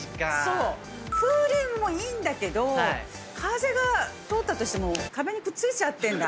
風鈴もいいんだけど風が通ったとしても壁にくっついちゃってんだ。